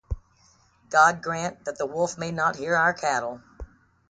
God grant that the wolf may not hear our cattle.